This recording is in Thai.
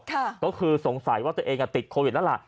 ก็คือสงสัยว่าตัวเองติดโควิดแล้วล่ะ